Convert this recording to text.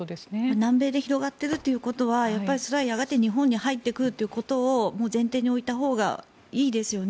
南米で広がっているということはそれはやがて日本に入ってくるということを前提に置いたほうがいいですよね。